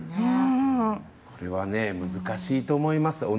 これはね難しいと思います。